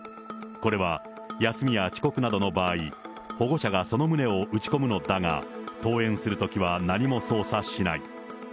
これは休みや遅刻などの場合、保護者がその旨を打ち込むのだが、登園するときは何も操作しない。